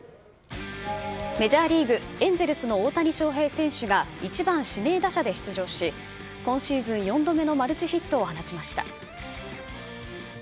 メジャーリーグ・エンゼルスの大谷翔平選手が１番指名打者で出場し、今シーズン４度目のマルチヒットを放ちました。